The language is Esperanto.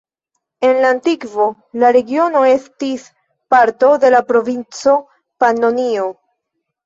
En la antikvo la regiono estis parto de la provinco Panonio.